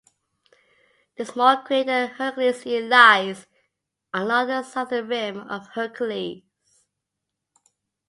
The small crater Hercules E lies along the southern rim of Hercules.